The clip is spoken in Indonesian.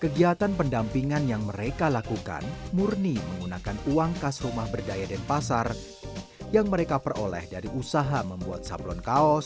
kejahatan pendampingan yang mereka lakukan murni menggunakan uang kas rumah berdaya dan pasar yang mereka peroleh dari usaha membuat saplon kaos